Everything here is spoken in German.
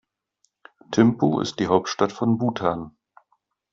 Thimphu ist die Hauptstadt von Bhutan.